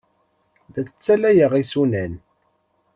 La ttalyeɣ isunan.